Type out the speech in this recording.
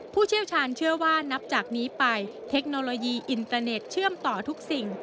ผู้เชี่ยวชาญเชื่อว่านับจากนี้ไปเทคโนโลยีอินเตอร์เน็ตเชื่อมต่อทุกสิ่ง